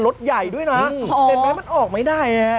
รถใหญ่ด้วยนะเห็นไหมมันออกมันออกได้